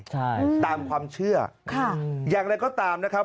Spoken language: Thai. ใช่ตามความเชื่อค่ะอย่างไรก็ตามนะครับ